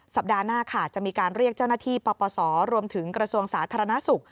สัปดาห์หน้าค่ะจะมีการเรียกเจ้าหน้าที่ปปศรวมถึงกระทรวงสาธารณสุข